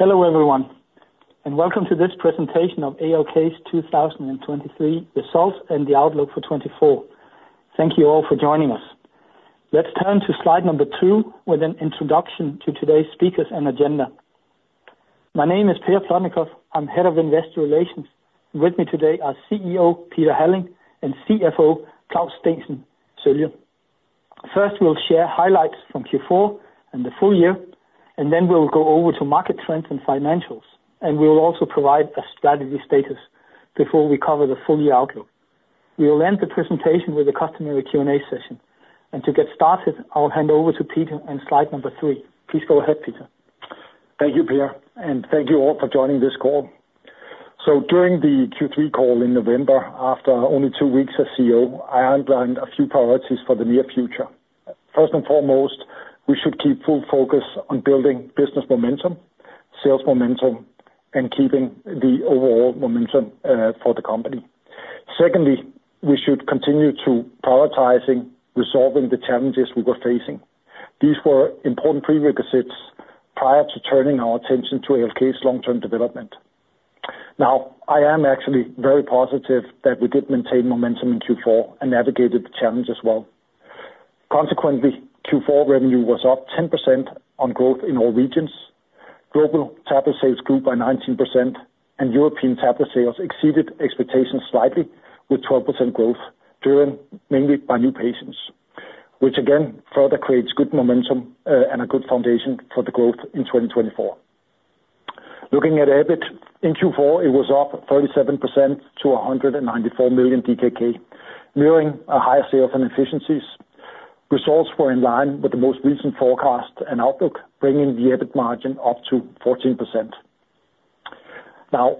Hello, everyone, and welcome to this presentation of ALK's 2023 results and the outlook for 2024. Thank you all for joining us. Let's turn to slide number 2, with an introduction to today's speakers and agenda. My name is Per Plotnikof. I'm Head of Investor Relations. With me today are CEO Peter Halling and CFO Claus Steensen Sølje. First, we'll share highlights from Q4 and the full year, and then we'll go over to market trends and financials, and we will also provide a strategy status before we cover the full year outlook. We will end the presentation with the customary Q&A session. And to get started, I'll hand over to Peter on slide number 3. Please go ahead, Peter. Thank you, Per, and thank you all for joining this call. So during the Q3 call in November, after only two weeks as CEO, I outlined a few priorities for the near future. First and foremost, we should keep full focus on building business momentum, sales momentum, and keeping the overall momentum for the company. Secondly, we should continue to prioritizing resolving the challenges we were facing. These were important prerequisites prior to turning our attention to ALK's long-term development. Now, I am actually very positive that we did maintain momentum in Q4 and navigated the challenge as well. Consequently, Q4 revenue was up 10% on growth in all regions. Global tablet sales grew by 19%, and European tablet sales exceeded expectations slightly, with 12% growth, driven mainly by new patients, which again, further creates good momentum, and a good foundation for the growth in 2024. Looking at EBIT, in Q4, it was up 37% to 194 million DKK, mirroring a higher sale from efficiencies. Results were in line with the most recent forecast and outlook, bringing the EBIT margin up to 14%. Now,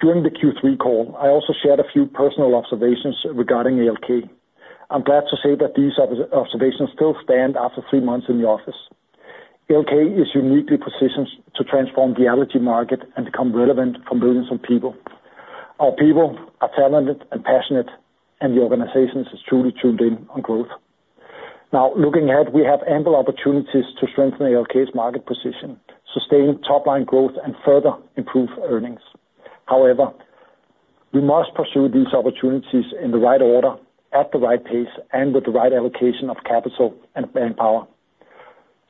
during the Q3 call, I also shared a few personal observations regarding ALK. I'm glad to say that these observations still stand after three months in the office. ALK is uniquely positioned to transform the allergy market and become relevant for millions of people. Our people are talented and passionate, and the organization is truly tuned in on growth. Now, looking ahead, we have ample opportunities to strengthen ALK's market position, sustain top line growth, and further improve earnings. However, we must pursue these opportunities in the right order, at the right pace, and with the right allocation of capital and manpower.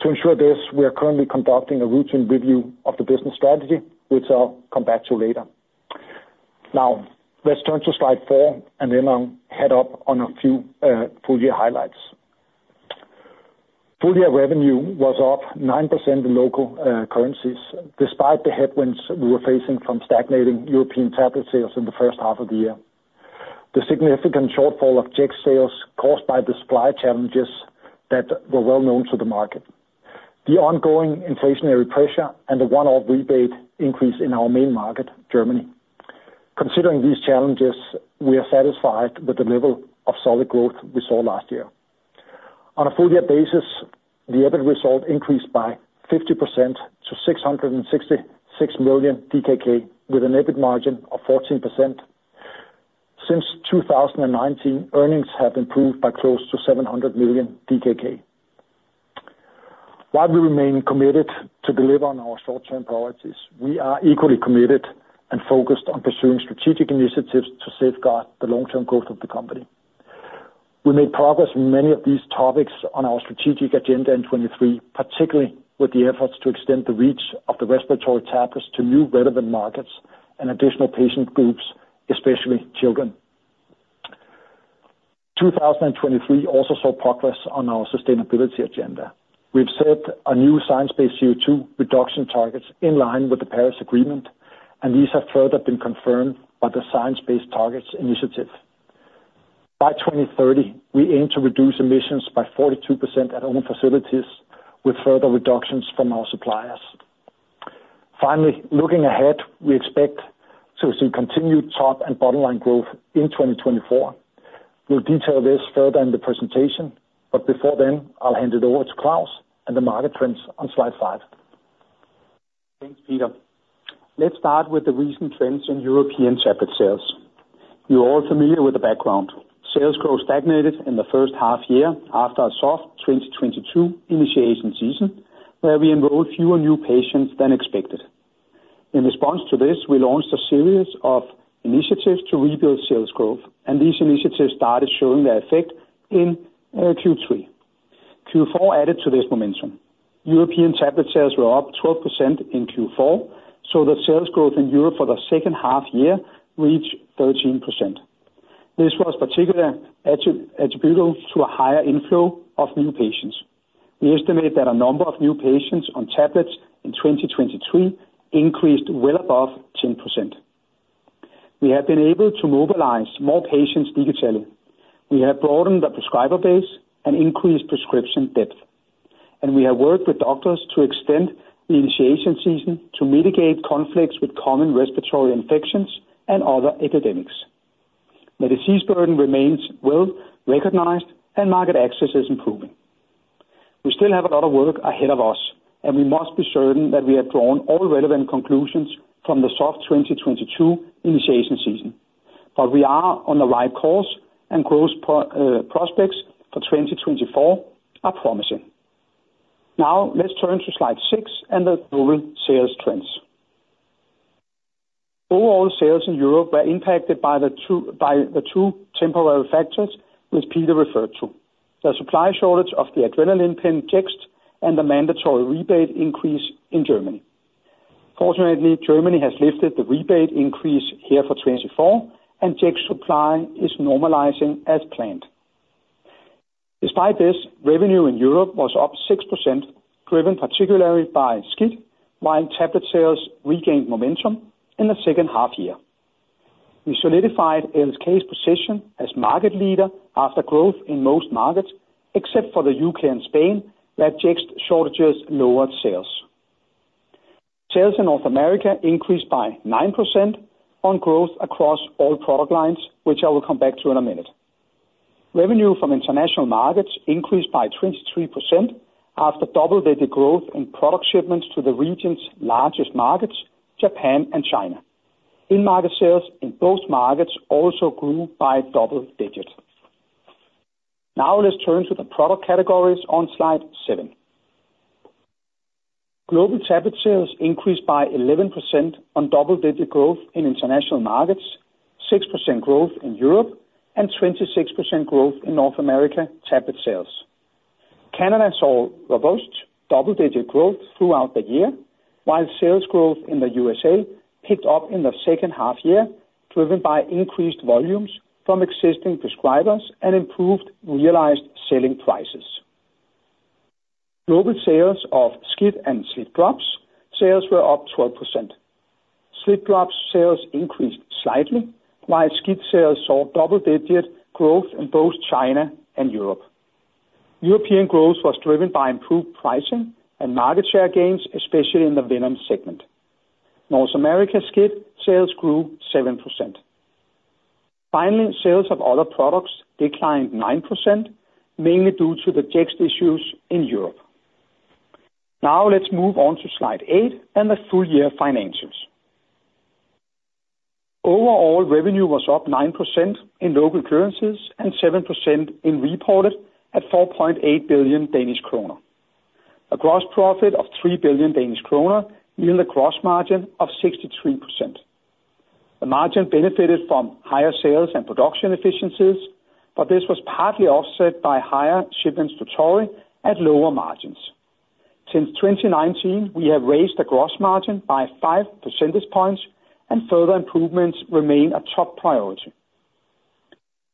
To ensure this, we are currently conducting a routine review of the business strategy, which I'll come back to later. Now, let's turn to slide 4, and then I'll head up on a few full year highlights. Full year revenue was up 9% in local currencies, despite the headwinds we were facing from stagnating European tablet sales in the first half of the year. The significant shortfall of Czech sales caused by the supply challenges that were well known to the market, the ongoing inflationary pressure, and the one-off rebate increase in our main market, Germany. Considering these challenges, we are satisfied with the level of solid growth we saw last year. On a full year basis, the EBIT result increased by 50% to 666 million DKK, with an EBIT margin of 14%. Since 2019, earnings have improved by close to 700 million DKK. While we remain committed to deliver on our short-term priorities, we are equally committed and focused on pursuing strategic initiatives to safeguard the long-term growth of the company. We made progress in many of these topics on our strategic agenda in 2023, particularly with the efforts to extend the reach of the respiratory tablets to new relevant markets and additional patient groups, especially children. 2023 also saw progress on our sustainability agenda. We've set a new science-based CO2 reduction targets in line with the Paris Agreement, and these have further been confirmed by the Science Based Targets Initiative. By 2030, we aim to reduce emissions by 42% at own facilities, with further reductions from our suppliers. Finally, looking ahead, we expect to see continued top and bottom-line growth in 2024. We'll detail this further in the presentation, but before then, I'll hand it over to Claus and the market trends on slide five. Thanks, Peter. Let's start with the recent trends in European tablet sales. You're all familiar with the background. Sales growth stagnated in the first half year after a soft 2022 initiation season, where we enrolled fewer new patients than expected. In response to this, we launched a series of initiatives to rebuild sales growth, and these initiatives started showing their effect in Q3. Q4 added to this momentum. European tablet sales were up 12% in Q4, so the sales growth in Europe for the second half year reached 13%. This was particularly attributable to a higher inflow of new patients. We estimate that a number of new patients on tablets in 2023 increased well above 10%. We have been able to mobilize more patients digitally. We have broadened the prescriber base and increased prescription depth, and we have worked with doctors to extend the initiation season to mitigate conflicts with common respiratory infections and other epidemics. The disease burden remains well recognized, and market access is improving. We still have a lot of work ahead of us, and we must be certain that we have drawn all relevant conclusions from the soft 2022 initiation season... but we are on the right course, and growth prospects for 2024 are promising. Now let's turn to slide 6 and the global sales trends. Overall sales in Europe were impacted by the two, by the two temporary factors, which Peter referred to: the supply shortage of the adrenaline pen Jext, and the mandatory rebate increase in Germany. Fortunately, Germany has lifted the rebate increase here for 2024, and Jext supply is normalizing as planned. Despite this, revenue in Europe was up 6%, driven particularly by SCIT, while tablet sales regained momentum in the second half year. We solidified ALK's position as market leader after growth in most markets, except for the UK and Spain, where Jext shortages lowered sales. Sales in North America increased by 9% on growth across all product lines, which I will come back to in a minute. Revenue from international markets increased by 23% after double-digit growth in product shipments to the region's largest markets, Japan and China. In-market sales in both markets also grew by double digits. Now let's turn to the product categories on slide 7. Global tablet sales increased by 11% on double-digit growth in international markets, 6% growth in Europe, and 26% growth in North America tablet sales. Canada saw robust double-digit growth throughout the year, while sales growth in the USA picked up in the second half year, driven by increased volumes from existing prescribers and improved realized selling prices. Global sales of SCIT and SLIT drops sales were up 12%. SLIT drops sales increased slightly, while SCIT sales saw double-digit growth in both China and Europe. European growth was driven by improved pricing and market share gains, especially in the venom segment. North America SCIT sales grew 7%. Finally, sales of other products declined 9%, mainly due to the Jext issues in Europe. Now let's move on to slide 8 and the full year financials. Overall revenue was up 9% in local currencies and 7% in reported at 4.8 billion Danish kroner. A gross profit of 3 billion Danish kroner, yielding a gross margin of 63%. The margin benefited from higher sales and production efficiencies, but this was partly offset by higher shipments to Torii at lower margins. Since 2019, we have raised the gross margin by 5 percentage points, and further improvements remain a top priority.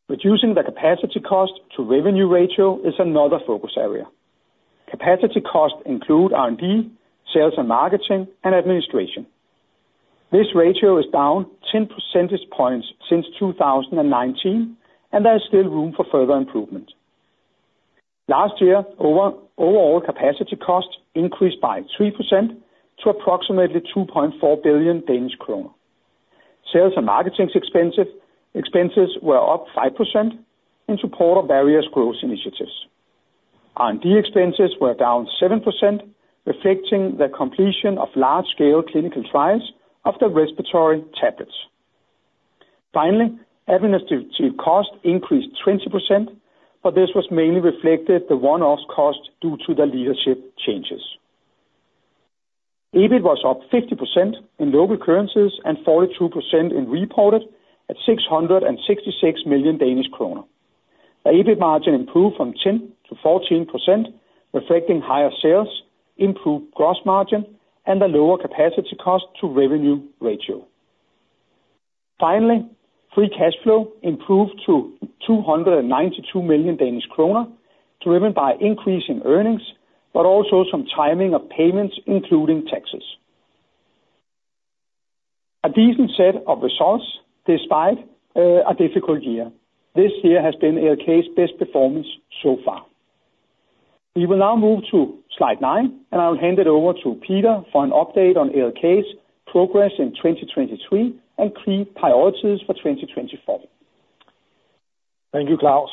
Reducing the capacity cost to revenue ratio is another focus area. Capacity costs include R&D, sales and marketing, and administration. This ratio is down 10 percentage points since 2019, and there is still room for further improvement. Last year, overall capacity costs increased by 3% to approximately 2.4 billion Danish kroner. Sales and marketing expenses were up 5% in support of various growth initiatives. R&D expenses were down 7%, reflecting the completion of large-scale clinical trials of the respiratory tablets. Finally, administrative costs increased 20%, but this was mainly reflected the one-off cost due to the leadership changes. EBIT was up 50% in local currencies and 42% in reported at 666 million Danish kroner. The EBIT margin improved from 10%-14%, reflecting higher sales, improved gross margin, and a lower capacity cost to revenue ratio. Finally, free cash flow improved to 292 million Danish kroner, driven by increase in earnings, but also some timing of payments, including taxes. A decent set of results despite a difficult year. This year has been ALK's best performance so far. We will now move to slide 9, and I'll hand it over to Peter for an update on ALK's progress in 2023 and key priorities for 2024. Thank you, Claus.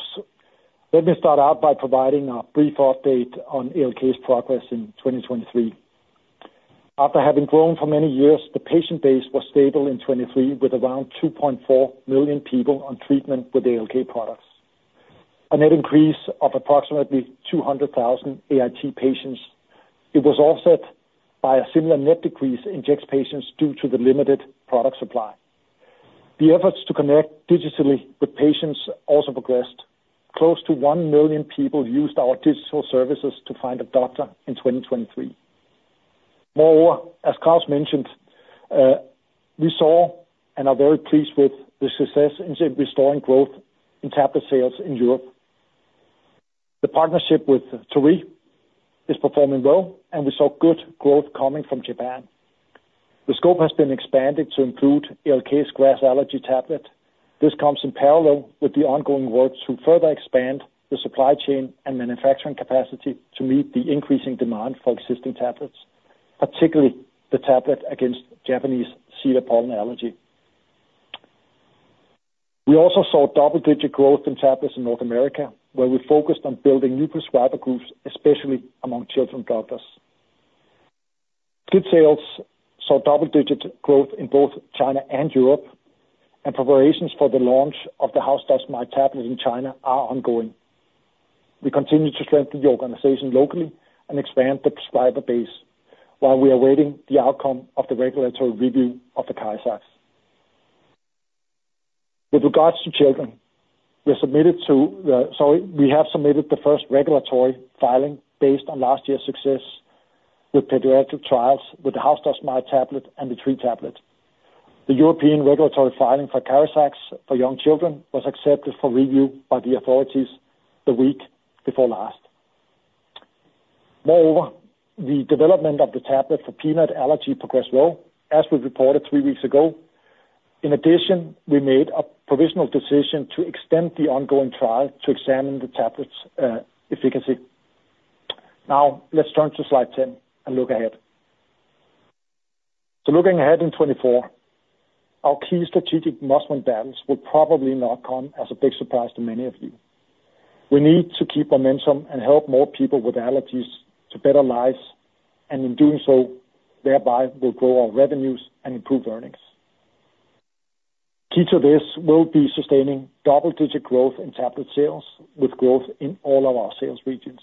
Let me start out by providing a brief update on ALK's progress in 2023. After having grown for many years, the patient base was stable in 2023, with around 2.4 million people on treatment with ALK products. A net increase of approximately 200,000 AIT patients. It was offset by a similar net decrease in Jext patients due to the limited product supply. The efforts to connect digitally with patients also progressed. Close to 1 million people used our digital services to find a doctor in 2023. Moreover, as Claus mentioned, we saw and are very pleased with the success in restoring growth in tablet sales in Europe. The partnership with Torii is performing well, and we saw good growth coming from Japan. The scope has been expanded to include ALK's grass allergy tablet. This comes in parallel with the ongoing work to further expand the supply chain and manufacturing capacity to meet the increasing demand for existing tablets, particularly the tablet against Japanese cedar pollen allergy. We also saw double-digit growth in tablets in North America, where we focused on building new prescriber groups, especially among children doctors. Jext sales saw double-digit growth in both China and Europe, and preparations for the launch of the house dust mite tablet in China are ongoing. We continue to strengthen the organization locally and expand the prescriber base, while we are waiting the outcome of the regulatory review of the ACARIZAX. With regards to children, sorry, we have submitted the first regulatory filing based on last year's success with pediatric trials with the house dust mite tablet and the tree tablet. The European regulatory filing for ACARIZAX for young children was accepted for review by the authorities the week before last. Moreover, the development of the tablet for peanut allergy progressed well, as we reported three weeks ago. In addition, we made a provisional decision to extend the ongoing trial to examine the tablet's efficacy. Now, let's turn to slide 10 and look ahead. So looking ahead in 2024, our key strategic must-win battles will probably not come as a big surprise to many of you. We need to keep momentum and help more people with allergies to better lives, and in doing so, thereby will grow our revenues and improve earnings. Key to this will be sustaining double-digit growth in tablet sales, with growth in all of our sales regions.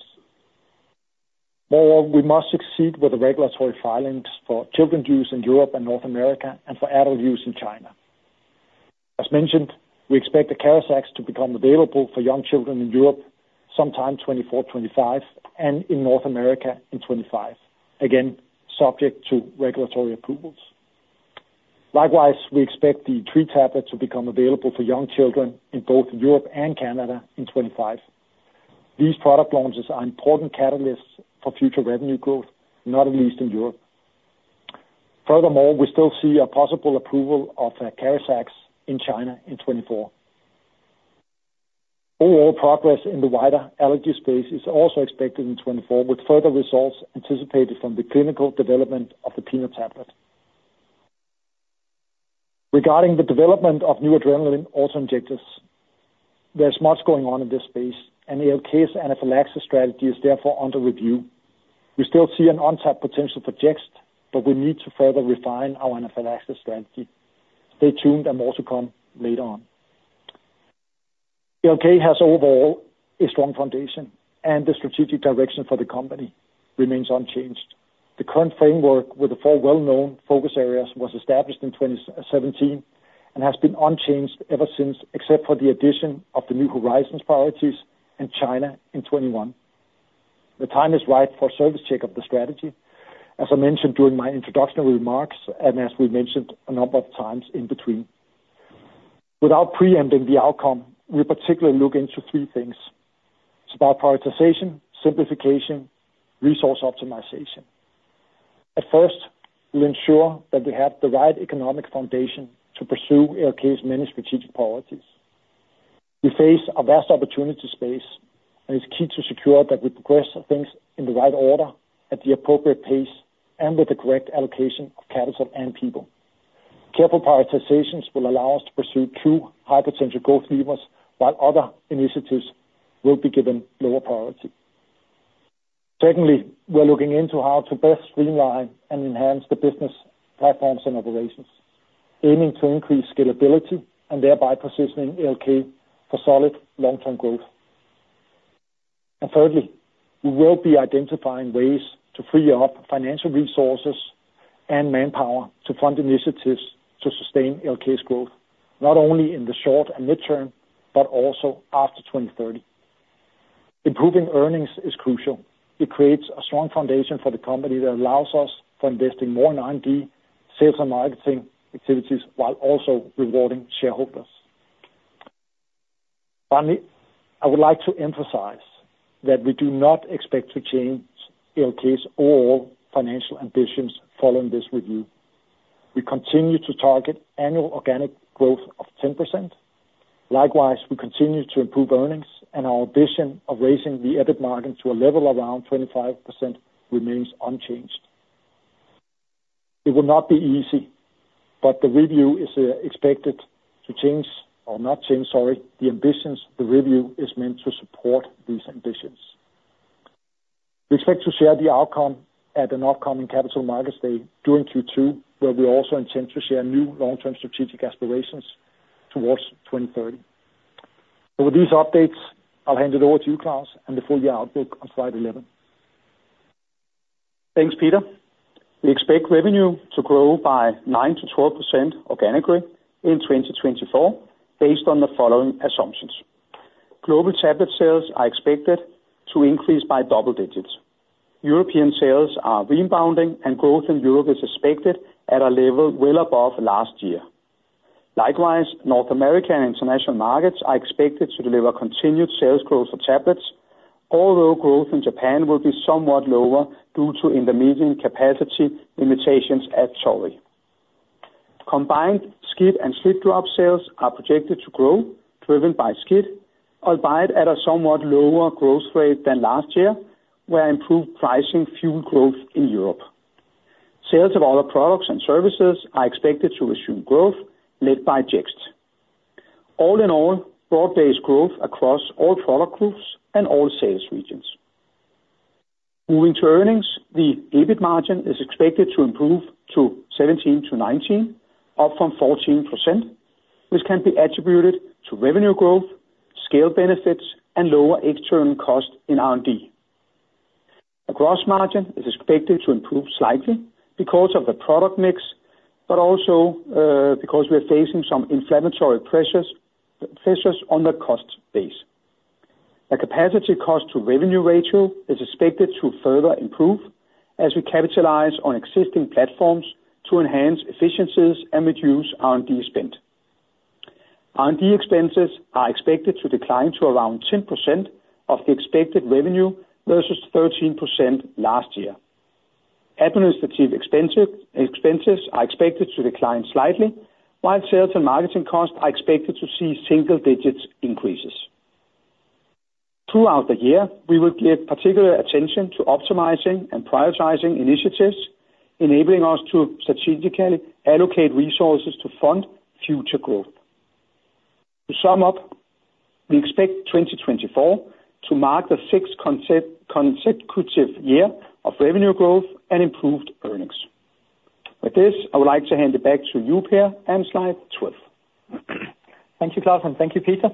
Moreover, we must succeed with the regulatory filings for children use in Europe and North America, and for adult use in China. As mentioned, we expect the ACARIZAX to become available for young children in Europe sometime 2024-2025, and in North America in 2025, again, subject to regulatory approvals. Likewise, we expect the tree tablet to become available for young children in both Europe and Canada in 2025. These product launches are important catalysts for future revenue growth, not least in Europe. Furthermore, we still see a possible approval of ACARIZAX in China in 2024. Overall progress in the wider allergy space is also expected in 2024, with further results anticipated from the clinical development of the peanut tablet. Regarding the development of new adrenaline auto-injectors, there's much going on in this space, and ALK's anaphylaxis strategy is therefore under review. We still see an untapped potential for Jext, but we need to further refine our anaphylaxis strategy. Stay tuned, and more to come later on. ALK has overall a strong foundation, and the strategic direction for the company remains unchanged. The current framework, with the four well-known focus areas, was established in 2017, and has been unchanged ever since, except for the addition of the New Horizons priorities in China in 2021. The time is right for a service check of the strategy, as I mentioned during my introductory remarks, and as we mentioned a number of times in between. Without preempting the outcome, we particularly look into three things: smart prioritization, simplification, resource optimization. At first, we ensure that we have the right economic foundation to pursue ALK's many strategic priorities. We face a vast opportunity space, and it's key to secure that we progress things in the right order, at the appropriate pace, and with the correct allocation of capital and people. Careful prioritizations will allow us to pursue true high-potential growth levers, while other initiatives will be given lower priority. Secondly, we're looking into how to best streamline and enhance the business platforms and operations, aiming to increase scalability and thereby positioning ALK for solid long-term growth. And thirdly, we will be identifying ways to free up financial resources and manpower to fund initiatives to sustain ALK's growth, not only in the short and mid-term, but also after 2030. Improving earnings is crucial. It creates a strong foundation for the company that allows us to invest in more R&D, sales and marketing activities, while also rewarding shareholders. Finally, I would like to emphasize that we do not expect to change ALK's overall financial ambitions following this review. We continue to target annual organic growth of 10%. Likewise, we continue to improve earnings, and our ambition of raising the EBIT margin to a level around 25% remains unchanged. It will not be easy, but the review is expected not to change, sorry, the ambitions. The review is meant to support these ambitions. We expect to share the outcome at an upcoming Capital Markets Day during Q2, where we also intend to share new long-term strategic aspirations towards 2030. With these updates, I'll hand it over to you, Claus, and the full year outlook on slide 11. Thanks, Peter. We expect revenue to grow by 9%-12% organically in 2024, based on the following assumptions: Global tablet sales are expected to increase by double digits. European sales are rebounding, and growth in Europe is expected at a level well above last year. Likewise, North America and international markets are expected to deliver continued sales growth for tablets, although growth in Japan will be somewhat lower due to intermediate capacity limitations at Torii. Combined SCIT and SLIT-drop sales are projected to grow, driven by SCIT, albeit at a somewhat lower growth rate than last year, where improved pricing fueled growth in Europe. Sales of other products and services are expected to resume growth, led by Jext.... All in all, broad-based growth across all product groups and all sales regions. Moving to earnings, the EBIT margin is expected to improve to 17%-19%, up from 14%, which can be attributed to revenue growth, scale benefits, and lower external costs in R&D. The gross margin is expected to improve slightly because of the product mix, but also because we are facing some inflationary pressures on the cost base. The capacity cost to revenue ratio is expected to further improve as we capitalize on existing platforms to enhance efficiencies and reduce R&D spend. R&D expenses are expected to decline to around 10% of the expected revenue versus 13% last year. Administrative expenses are expected to decline slightly, while sales and marketing costs are expected to see single-digit increases. Throughout the year, we will pay particular attention to optimizing and prioritizing initiatives, enabling us to strategically allocate resources to fund future growth. To sum up, we expect 2024 to mark the sixth consecutive year of revenue growth and improved earnings. With this, I would like to hand it back to you, Per, and slide 12. Thank you, Claus, and thank you, Peter.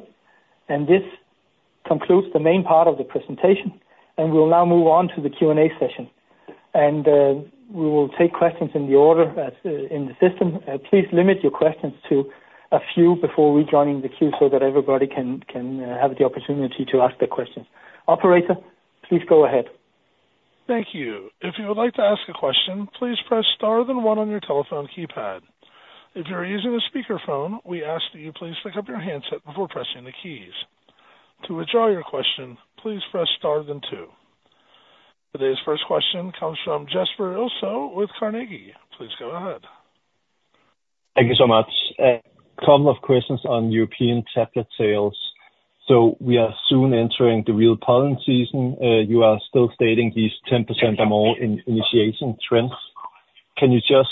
This concludes the main part of the presentation, and we'll now move on to the Q&A session. We will take questions in the order as in the system. Please limit your questions to a few before rejoining the queue so that everybody can have the opportunity to ask their questions. Operator, please go ahead. Thank you. If you would like to ask a question, please press star then one on your telephone keypad. If you are using a speakerphone, we ask that you please pick up your handset before pressing the keys. To withdraw your question, please press star then two. Today's first question comes from Jesper Ilsøe with Carnegie. Please go ahead. Thank you so much. Couple of questions on European tablet sales. So we are soon entering the real pollen season. You are still stating these 10% or more in initiation trends. Can you just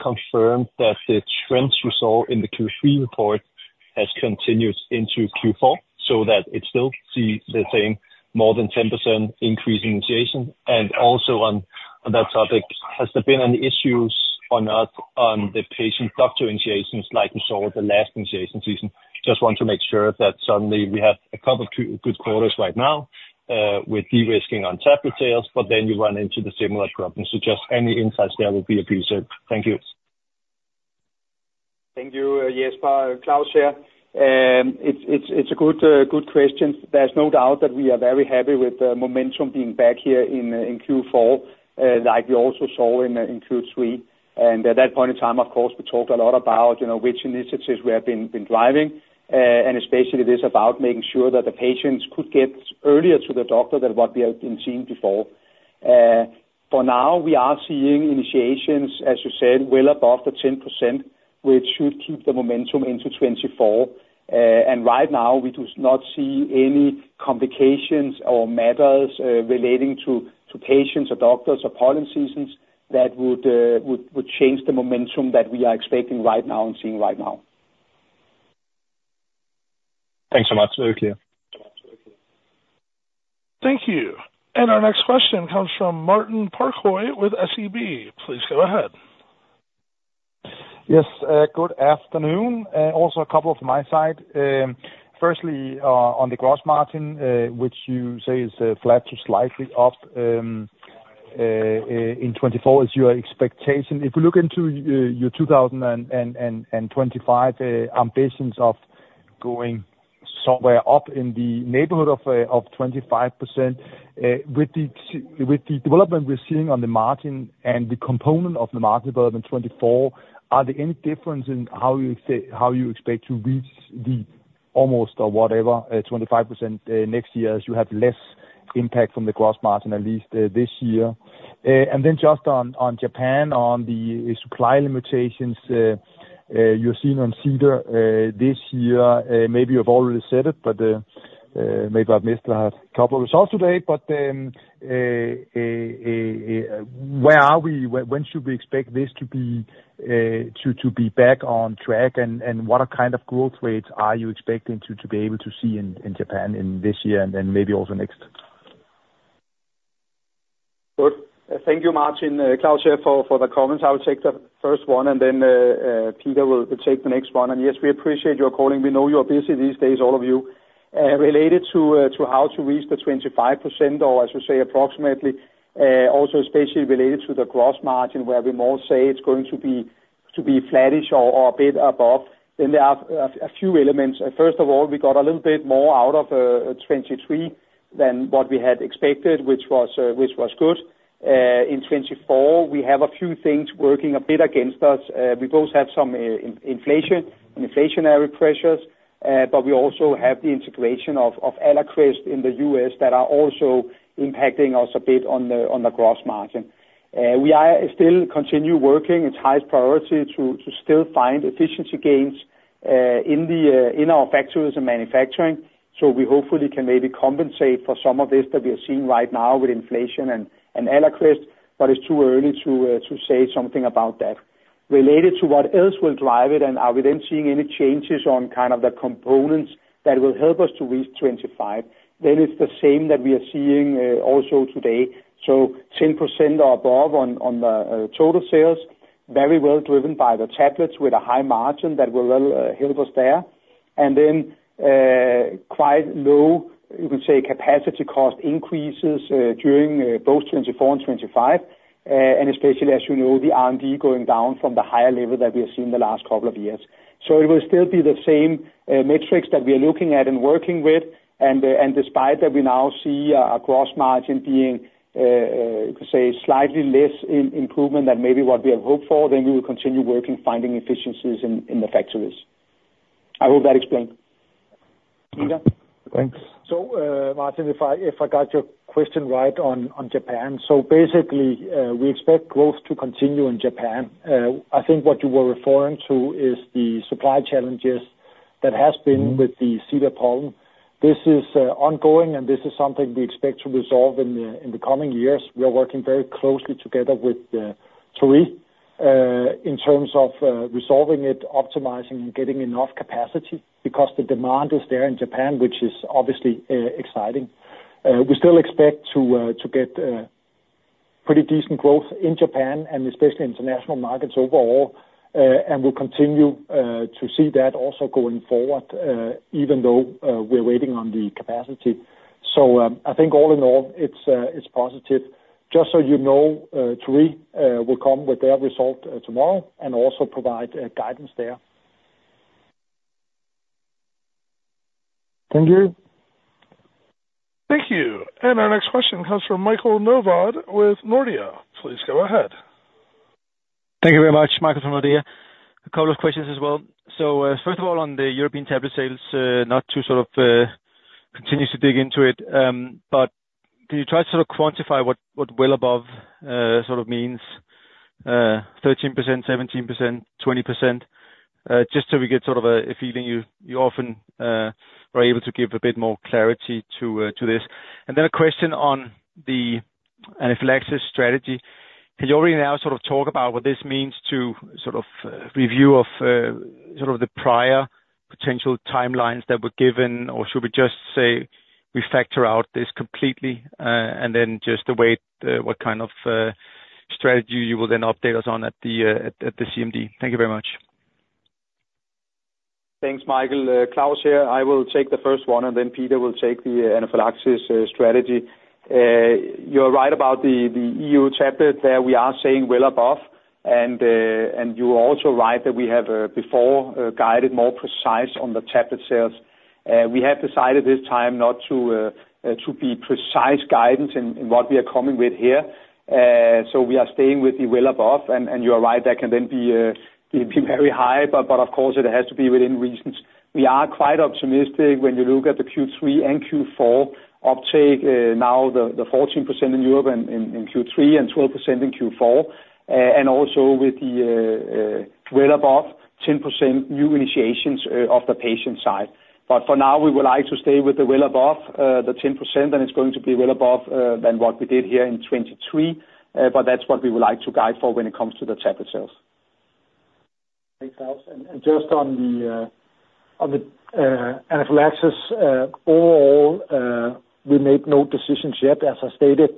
confirm that the trends you saw in the Q3 report has continued into Q4, so that it still sees the same more than 10% increase in initiation? And also on that topic, has there been any issues on the patient-doctor initiations like we saw the last initiation season? Just want to make sure that suddenly we have a couple of two good quarters right now, with de-risking on tablet sales, but then you run into the similar problem. So just any insights there will be appreciated. Thank you. Thank you, Jesper. Claus here. It's a good question. There's no doubt that we are very happy with the momentum being back here in Q4, like we also saw in Q3. And at that point in time, of course, we talked a lot about, you know, which initiatives we have been driving, and especially this about making sure that the patients could get earlier to the doctor than what we have been seeing before. For now, we are seeing initiations, as you said, well above the 10%, which should keep the momentum into 2024. And right now we do not see any complications or matters relating to patients or doctors or pollen seasons that would change the momentum that we are expecting right now and seeing right now. Thanks so much. Very clear. Thank you. And our next question comes from Martin Parkhøi with SEB. Please go ahead. Yes, good afternoon. Also a couple from my side. Firstly, on the gross margin, which you say is flat to slightly up in 2024 is your expectation. If we look into your 2025 ambitions of going somewhere up in the neighborhood of 25%, with the development we're seeing on the margin and the component of the margin development in 2024, are there any difference in how you expect to reach the almost or whatever 25% next year, as you have less impact from the gross margin, at least this year? And then just on, on Japan, on the supply limitations you're seeing on Cedar this year, maybe you've already said it, but, maybe I've missed a couple of results today. But, where are we? When, when should we expect this to be, to, to be back on track, and, and what kind of growth rates are you expecting to, to be able to see in, in Japan in this year and then maybe over next? Good. Thank you, Martin. Claus here for the comments. I will take the first one, and then Peter will take the next one. Yes, we appreciate your calling. We know you are busy these days, all of you. Related to how to reach the 25%, or I should say, approximately, also especially related to the gross margin, where we more say it's going to be flattish or a bit above, then there are a few elements. First of all, we got a little bit more out of 2023 than what we had expected, which was good. In 2024, we have a few things working a bit against us. We both have some inflation, inflationary pressures, but we also have the integration of AllerQuest in the U.S. that are also impacting us a bit on the gross margin. We are still continue working. It's high priority to still find efficiency gains in our factories and manufacturing. So we hopefully can maybe compensate for some of this that we are seeing right now with inflation and AllerQuest, but it's too early to say something about that. Related to what else will drive it, and are we then seeing any changes on kind of the components that will help us to reach 25? That is the same that we are seeing also today. So 10% or above on the total sales, very well driven by the tablets with a high margin that will help us there. And then quite low, you could say, capacity cost increases during both 2024 and 2025. And especially, as you know, the R&D going down from the higher level that we have seen the last couple of years. So it will still be the same metrics that we are looking at and working with. And despite that, we now see a gross margin being, you could say, slightly less improvement than maybe what we had hoped for, then we will continue working, finding efficiencies in the factories. I hope that explained. Peter? Thanks. So, Martin, if I got your question right on Japan, so basically, we expect growth to continue in Japan. I think what you were referring to is the supply challenges that has been- Mm-hmm. with the cedar pollen. This is ongoing, and this is something we expect to resolve in the coming years. We are working very closely together with Torii in terms of resolving it, optimizing, and getting enough capacity, because the demand is there in Japan, which is obviously exciting. We still expect to get pretty decent growth in Japan and especially international markets overall, and we'll continue to see that also going forward, even though we're waiting on the capacity. So, I think all in all, it's positive. Just so you know, Torii will come with their result tomorrow, and also provide guidance there. Thank you. Thank you. And our next question comes from Michael Novod with Nordea. Please go ahead. Thank you very much, Michael from Nordea. A couple of questions as well. So, first of all, on the European tablet sales, not to sort of continue to dig into it, but can you try to sort of quantify what, what well above, sort of means, 13%, 17%, 20%? Just so we get sort of a, a feeling. You, you often, are able to give a bit more clarity to, to this. And then a question on the anaphylaxis strategy. Can you already now sort of talk about what this means to sort of, review of, sort of the prior potential timelines that were given? Or should we just say we factor out this completely, and then just await what kind of strategy you will then update us on at the CMD? Thank you very much. Thanks, Michael. Claus here. I will take the first one, and then Peter will take the anaphylaxis strategy. You're right about the EU chapter. There we are saying well above, and you are also right that we have before guided more precise on the tablet sales. We have decided this time not to be precise guidance in what we are coming with here. So we are staying with the well above, and you are right, that can then be very high, but of course, it has to be within reasons. We are quite optimistic when you look at the Q3 and Q4 uptake, now the 14% in Europe and in Q3 and 12% in Q4. And also with the well above 10% new initiations of the patient side. But for now, we would like to stay with the well above the 10%, and it's going to be well above than what we did here in 2023. But that's what we would like to guide for when it comes to the tablet sales. Thanks, Claus. Just on the anaphylaxis overall, we made no decisions yet. As I stated,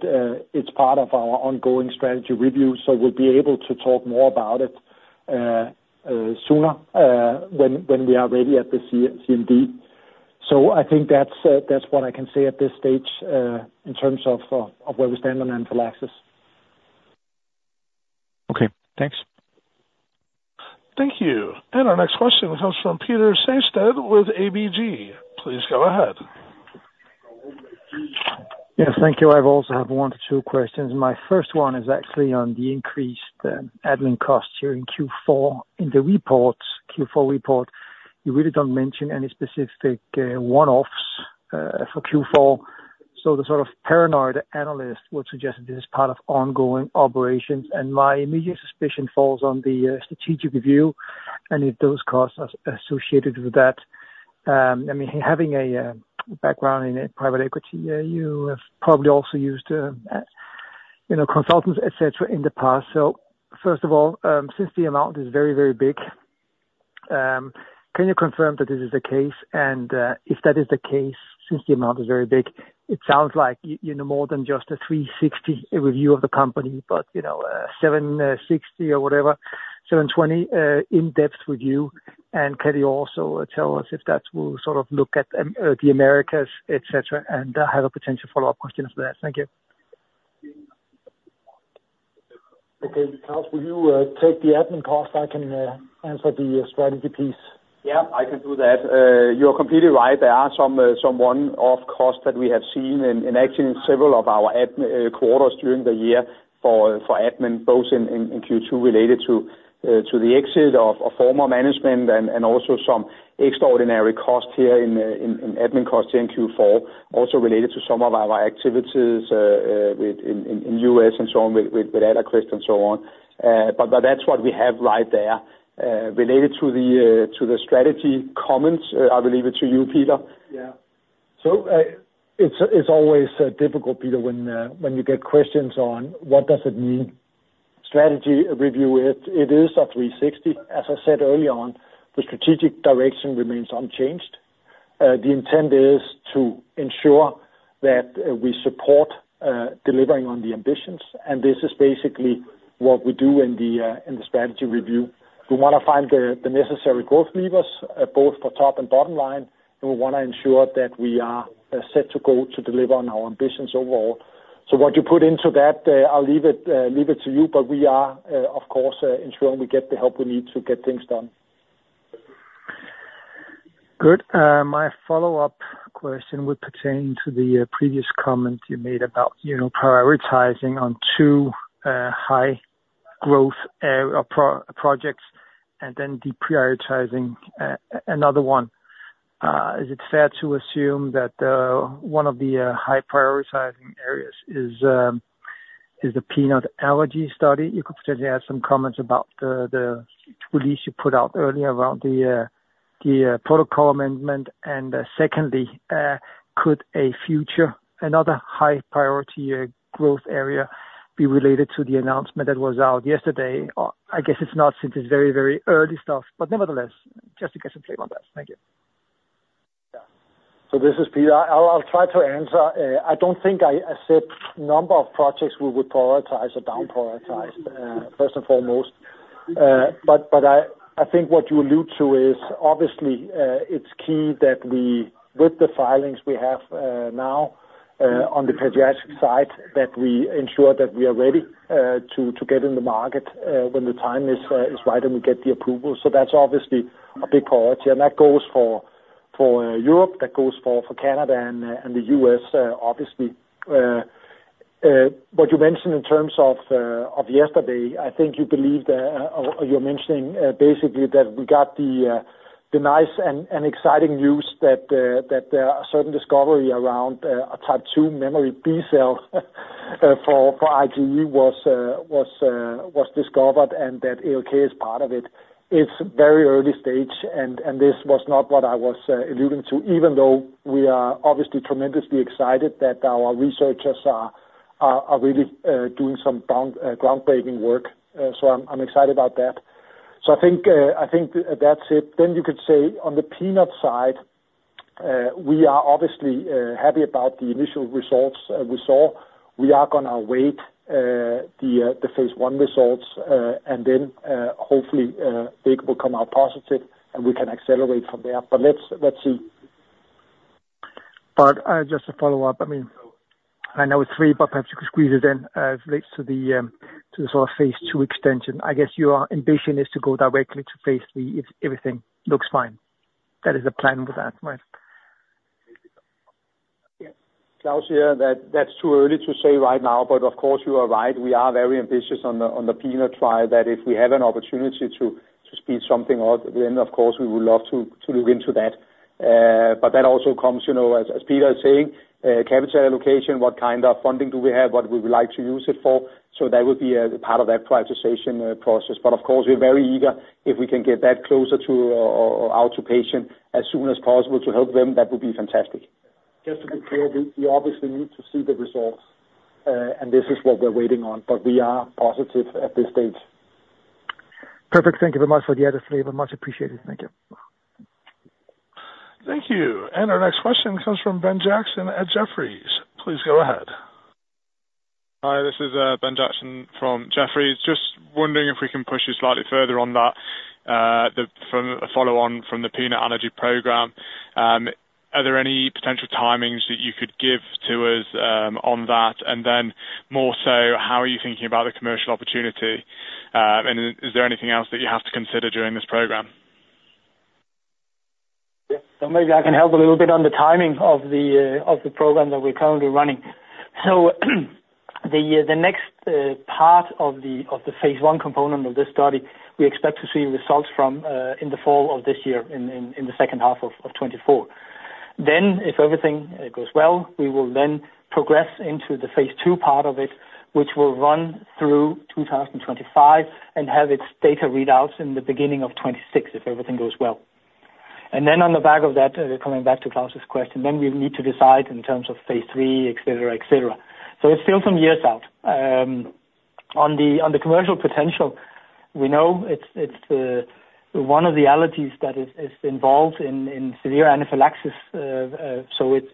it's part of our ongoing strategy review, so we'll be able to talk more about it sooner when we are ready at the CMD. I think that's what I can say at this stage in terms of where we stand on anaphylaxis. Okay. Thanks. Thank you. Our next question comes from Peter Sehested with ABG. Please go ahead. Yes, thank you. I also have one, two questions. My first one is actually on the increased admin costs here in Q4. In the report, Q4 report, you really don't mention any specific one-offs for Q4. So the sort of paranoid analyst would suggest this is part of ongoing operations, and my immediate suspicion falls on the strategic review and if those costs are associated with that. I mean, having a background in private equity, you have probably also used you know, consultants, et cetera, in the past. So first of all, since the amount is very, very big, can you confirm that this is the case? If that is the case, since the amount is very big, it sounds like you know, more than just a 360 review of the company, but you know, 760 or whatever, 720, in-depth review. Can you also tell us if that will sort of look at the Americas, et cetera, and I have a potential follow-up question for that. Thank you. Okay, Claus, will you take the admin cost? I can answer the strategy piece. Yeah, I can do that. You're completely right. There are some one-off costs that we have seen in actually several of our quarters during the year for admin, both in Q2 related to the exit of former management and also some extraordinary costs here in admin costs in Q4, also related to some of our activities within the U.S. and so on, with ALK-Abelló and so on. But that's what we have right there. Related to the strategy comments, I'll leave it to you, Peter.... So, it's always difficult, Peter, when you get questions on what does it mean, strategy review? It is a 360. As I said early on, the strategic direction remains unchanged. The intent is to ensure that we support delivering on the ambitions, and this is basically what we do in the strategy review. We wanna find the necessary growth levers, both for top and bottom line, and we wanna ensure that we are set to go to deliver on our ambitions overall. So what you put into that, I'll leave it to you, but we are, of course, ensuring we get the help we need to get things done. Good. My follow-up question would pertain to the previous comment you made about, you know, prioritizing on two high growth projects and then deprioritizing another one. Is it fair to assume that one of the high prioritizing areas is the peanut allergy study? You could potentially have some comments about the release you put out earlier about the protocol amendment. And secondly, could a future, another high priority growth area be related to the announcement that was out yesterday? I guess it's not, since it's very, very early stuff, but nevertheless, just to get some flavor on that. Thank you. Yeah. So this is Peter. I'll try to answer. I don't think I said number of projects we would prioritize or down prioritize, first and foremost. But I think what you allude to is obviously, it's key that we, with the filings we have now, on the pediatric side, that we ensure that we are ready to get in the market, when the time is right, and we get the approval. So that's obviously a big priority, and that goes for Europe, that goes for Canada and the US, obviously. What you mentioned in terms of yesterday, I think you believe that, or you're mentioning, basically that we got the nice and exciting news that there are certain discovery around a type two memory B cell for IgE was discovered and that ALK is part of it. It's very early stage, and this was not what I was alluding to, even though we are obviously tremendously excited that our researchers are really doing some groundbreaking work. So I'm excited about that. So I think that's it. Then you could say, on the peanut side, we are obviously happy about the initial results we saw. We are gonna await the phase one results, and then hopefully they will come out positive, and we can accelerate from there. But let's see. But, just to follow up, I mean, I know it's three, but perhaps you could squeeze it in, relates to the, to the sort of phase two extension. I guess your ambition is to go directly to phase three if everything looks fine. That is the plan with that, right? Yeah. Claus here. That's too early to say right now, but of course, you are right. We are very ambitious on the peanut trial, that if we have an opportunity to speed something up, then of course, we would love to look into that. But that also comes, you know, as Peter is saying, capital allocation, what kind of funding do we have? What we would like to use it for? So that would be a part of that prioritization process. But of course, we're very eager if we can get that closer to, or out to patient as soon as possible to help them, that would be fantastic. Just to be clear, we, we obviously need to see the results, and this is what we're waiting on, but we are positive at this stage. Perfect. Thank you very much for the added flavor. Much appreciated. Thank you. Thank you. Our next question comes from Ben Jackson at Jefferies. Please go ahead. Hi, this is Ben Jackson from Jefferies. Just wondering if we can push you slightly further on that, the follow on from the peanut allergy program. Are there any potential timings that you could give to us, on that? And then more so, how are you thinking about the commercial opportunity? And is there anything else that you have to consider during this program? Yeah. So maybe I can help a little bit on the timing of the program that we're currently running. So the next part of the phase 1 component of this study, we expect to see results from in the fall of this year, in the second half of 2024. Then, if everything goes well, we will then progress into the phase 2 part of it, which will run through 2025 and have its data readouts in the beginning of 2026, if everything goes well. And then on the back of that, coming back to Claus's question, then we need to decide in terms of phase 3, et cetera, et cetera. So it's still some years out. On the commercial potential, we know it's one of the allergies that is involved in severe anaphylaxis, so it's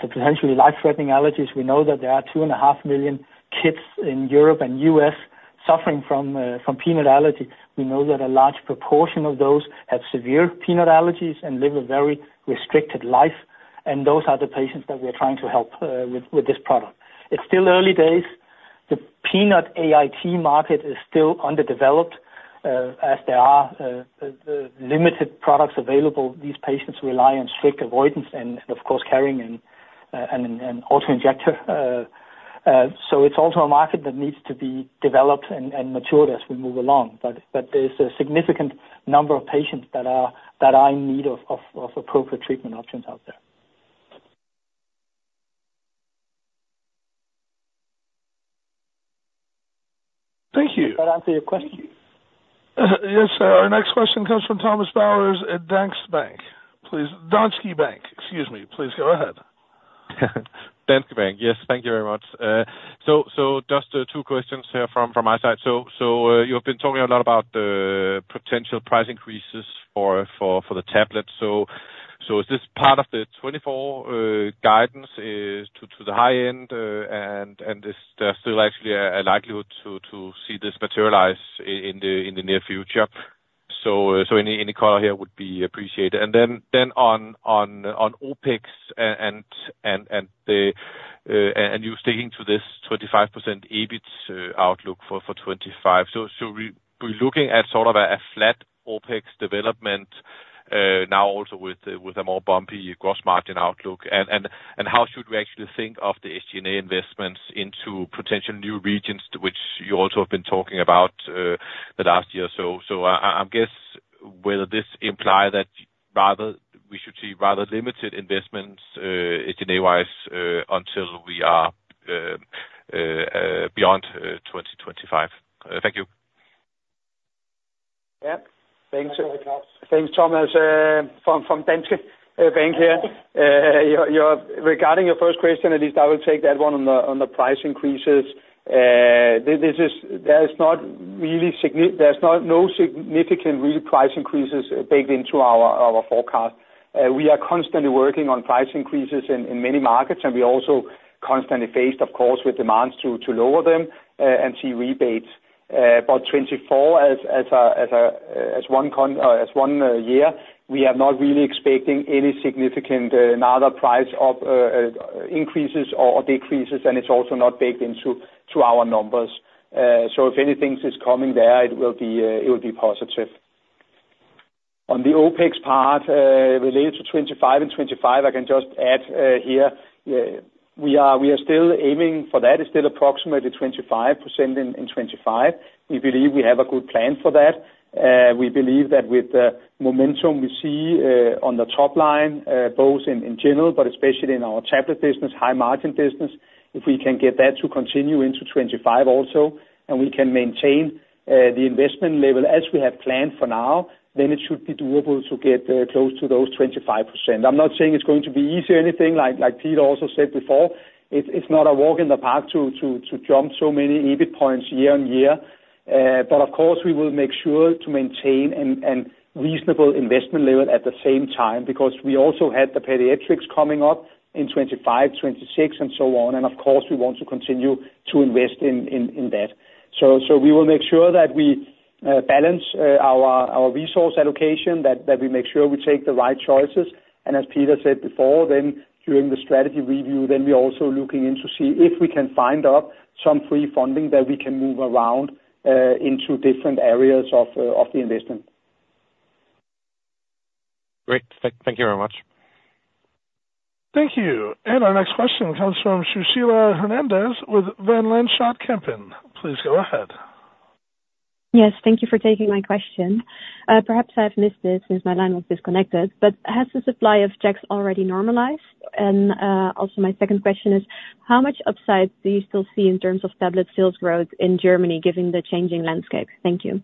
a potentially life-threatening allergies. We know that there are 2.5 million kids in Europe and US suffering from peanut allergy. We know that a large proportion of those have severe peanut allergies and live a very restricted life, and those are the patients that we're trying to help with this product. It's still early days. The peanut AIT market is still underdeveloped, as there are limited products available. These patients rely on strict avoidance and, of course, carrying an auto-injector. It's also a market that needs to be developed and matured as we move along, but there's a significant number of patients that are in need of appropriate treatment options out there.... Thank you! Does that answer your question? Yes, sir. Our next question comes from Thomas Bowers at Danske Bank. Please, Danske Bank, excuse me. Please go ahead. Danske Bank. Yes, thank you very much. So just two questions from my side. So you have been talking a lot about the potential price increases for the tablets. So is this part of the 2024 guidance to the high end, and is there still actually a likelihood to see this materialize in the near future? So any color here would be appreciated. And then on OpEx and you're sticking to this 25% EBIT outlook for 2025. So we're looking at sort of a flat OpEx development now also with a more bumpy gross margin outlook. How should we actually think of the SG&A investments into potential new regions, which you also have been talking about the last year or so? So I guess whether this imply that rather we should see rather limited investments, SG&A-wise, until we are beyond 2025. Thank you. Yeah. Thanks. Thanks, Thomas, from Danske Bank here. Your... Regarding your first question, at least I will take that one on the price increases. This is there is not really significant price increases baked into our forecast. We are constantly working on price increases in many markets, and we also constantly face, of course, with demands to lower them and see rebates. But 2024 as one year, we are not really expecting any significant another price increases or decreases, and it's also not baked into our numbers. So if anything is coming there, it will be positive. On the OpEx part, related to 2025 and 25, I can just add here, we are, we are still aiming for that. It's still approximately 25% in 2025. We believe we have a good plan for that. We believe that with the momentum we see on the top line, both in general, but especially in our tablet business, high margin business, if we can get that to continue into 2025 also, and we can maintain the investment level as we have planned for now, then it should be doable to get close to those 25%. I'm not saying it's going to be easy or anything, like, like Peter also said before, it's not a walk in the park to jump so many EBIT points year on year. But of course, we will make sure to maintain reasonable investment level at the same time, because we also had the pediatrics coming up in 2025, 2026, and so on. Of course, we want to continue to invest in that. So we will make sure that we balance our resource allocation, that we make sure we take the right choices. And as Peter said before, during the strategy review, we're also looking in to see if we can find some free funding that we can move around into different areas of the investment. Great. Thank you very much. Thank you. And our next question comes from Suzanne van Voorthuizen with Van Lanschot Kempen. Please go ahead. Yes, thank you for taking my question. Perhaps I've missed this since my line was disconnected, but has the supply of Jext already normalized? And, also my second question is: How much upside do you still see in terms of tablet sales growth in Germany, given the changing landscape? Thank you.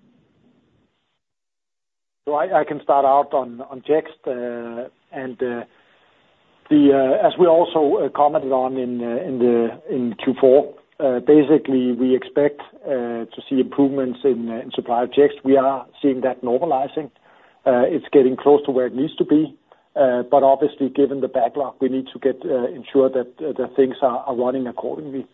So I can start out on Jext. And as we also commented on in the Q4, basically, we expect to see improvements in supply of Jext. We are seeing that normalizing. It's getting close to where it needs to be, but obviously, given the backlog, we need to ensure that the things are running accordingly.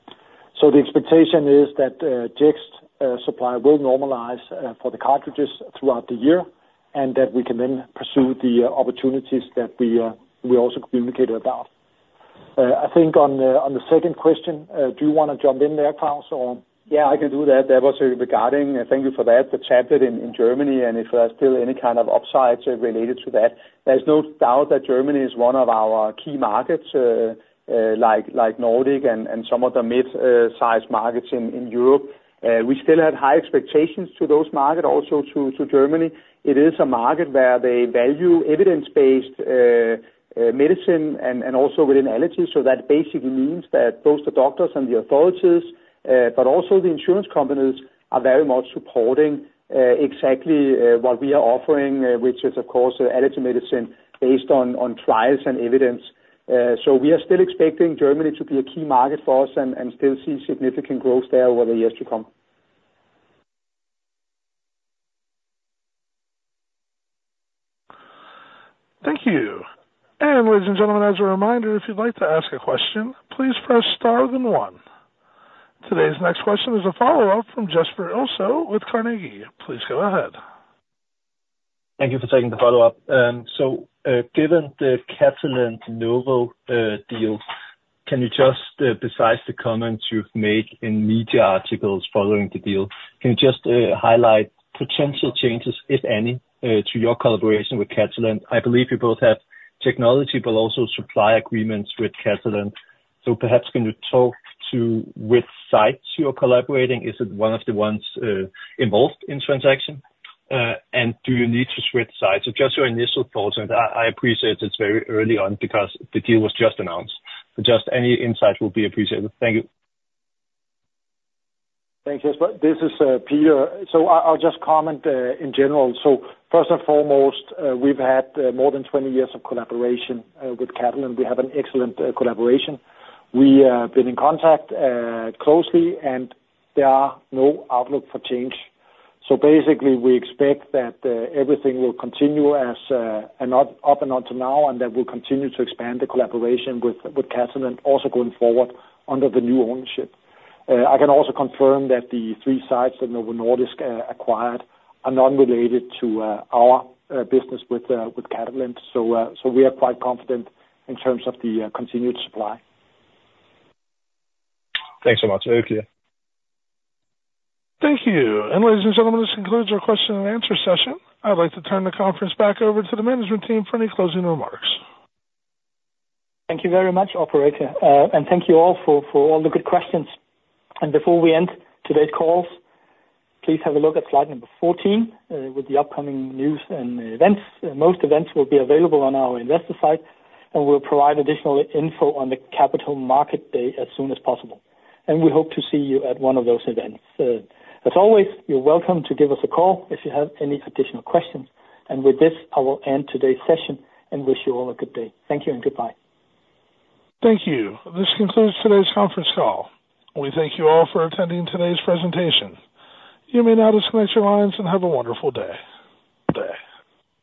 So the expectation is that Jext supply will normalize for the cartridges throughout the year, and that we can then pursue the opportunities that we also communicated about. I think on the second question, do you want to jump in there, Claus, or? Yeah, I can do that. That was regarding, thank you for that, the tablet in Germany, and if there are still any kind of upsides related to that. There's no doubt that Germany is one of our key markets, like, like Nordic and, and some of the mid-size markets in Europe. We still have high expectations to those market, also to Germany. It is a market where they value evidence-based medicine and, also within allergy. So that basically means that both the doctors and the authorities, but also the insurance companies, are very much supporting exactly what we are offering, which is, of course, allergy medicine based on trials and evidence. We are still expecting Germany to be a key market for us and still see significant growth there over the years to come. Thank you. Ladies and gentlemen, as a reminder, if you'd like to ask a question, please press star then one. Today's next question is a follow-up from Jesper Ilsøe with Carnegie. Please go ahead. Thank you for taking the follow-up. So, given the Catalent Novo deal, can you just, besides the comments you've made in media articles following the deal, can you just, highlight potential changes, if any, to your collaboration with Catalent? I believe you both have technology, but also supply agreements with Catalent. So perhaps can you talk to which sites you are collaborating? Is it one of the ones involved in transaction? And do you need to switch sites? So just your initial thoughts, and I appreciate it's very early on because the deal was just announced. So just any insights will be appreciated. Thank you. Thank you. But this is Peter. So I'll just comment in general. So first and foremost, we've had more than 20 years of collaboration with Catalent. We have an excellent collaboration. We been in contact closely, and there are no outlook for change. So basically, we expect that everything will continue as and up until now, and that we'll continue to expand the collaboration with Catalent also going forward under the new ownership. I can also confirm that the 3 sites that Novo Nordisk acquired are non-related to our business with Catalent. So we are quite confident in terms of the continued supply. Thanks so much. Okay. Thank you. Ladies and gentlemen, this concludes our question and answer session. I'd like to turn the conference back over to the management team for any closing remarks. Thank you very much, operator. And thank you all for all the good questions. And before we end today's calls, please have a look at slide number 14 with the upcoming news and events. Most events will be available on our investor site, and we'll provide additional info on the capital market day as soon as possible. And we hope to see you at one of those events. As always, you're welcome to give us a call if you have any additional questions. And with this, I will end today's session and wish you all a good day. Thank you and goodbye. Thank you. This concludes today's conference call. We thank you all for attending today's presentation. You may now disconnect your lines and have a wonderful day. Day.